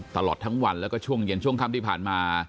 ตลอดทั้งวันแล้วก็ช่วงเย็นช่วงค่ำที่ผ่านมา